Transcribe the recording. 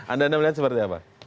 anda melihat seperti apa